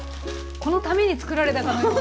このためにつくられたかのような。